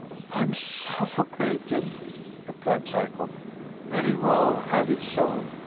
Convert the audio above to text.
"I am suffocating!" replied Psyekoff. "Very well have it so.